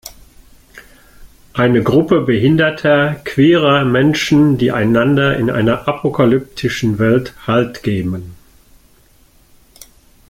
Eine Gruppe behinderter, queerer Menschen, die einander in einer apokalyptischen Welt Halt geben.